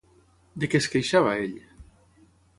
De què es queixava ell?